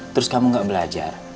terus kamu gak belajar